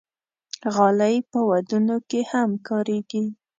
غالۍ په ودونو کې هم کارېږي.